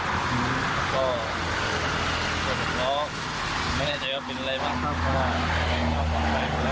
ก็มีรถตามหลังมากระบะกันทุกยับซ้ำ